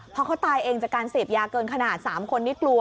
พอเขาตายเองจากการเสพยาเกินขนาด๓คนนี่กลัว